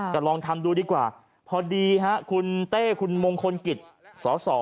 แต่ลองทำดูดีกว่าพอดีฮะคุณเต้คุณมงคลกิจสส